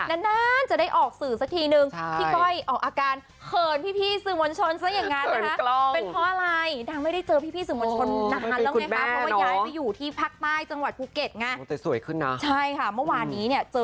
นานนานจะได้ออกสื่อสักทีหนึ่งใช่